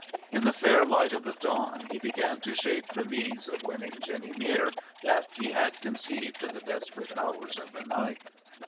In the fair light of the dawn he began to shape the means of winning Jenny Mere, that he had conceived in the desperate hours of the night.